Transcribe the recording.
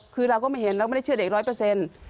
คือเราก็ไม่เห็นเราไม่ได้เชื่อเด็กร้อยเปอร์เซ็นต์